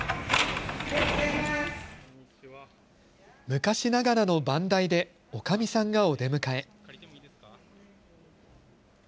昔ながらの番台でおかみさんがお出迎え。